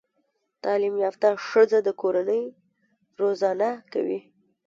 تعليم يافته ښځه د کورنۍ روزانه کوي